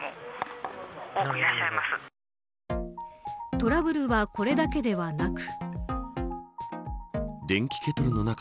トラブルはこれだけではなく。